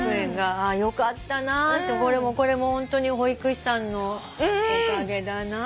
あーよかったなーってこれもホントに保育士さんのおかげだなと思ってさ。